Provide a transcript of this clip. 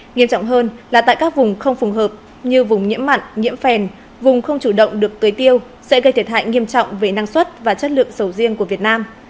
nghiêm trọng hơn là tại các vùng không phù hợp như vùng nhiễm mặn nhiễm phèn vùng không chủ động được tưới tiêu sẽ gây thiệt hại nghiêm trọng về năng suất và chất lượng sầu riêng của việt nam